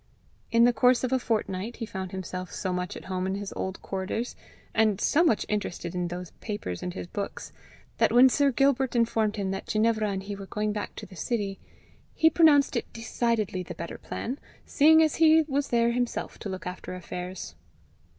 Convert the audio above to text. In the course of a fortnight he found himself so much at home in his old quarters, and so much interested in those papers and his books, that when Sir Gilbert informed him Ginevra and he were going back to the city, he pronounced it decidedly the better plan, seeing he was there himself to look after affairs.